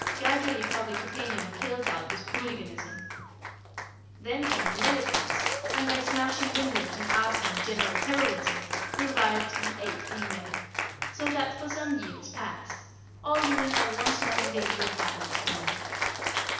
Gradually public opinion killed out this hooliganism. Then came the militants, and, by smashing windows and arson and general terrorism, revived the ape in men, so that, for some years past, all women are once more in danger of violence from men.